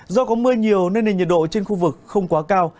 do có mưa nhiều nên nền nhiệt độ trên khu vực không quá cao